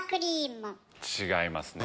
違いますね。